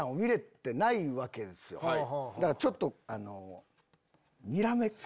だからちょっとあの。